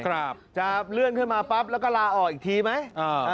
ครับจะเลื่อนขึ้นมาปั๊บแล้วก็ลาออกอีกทีไหมอ่า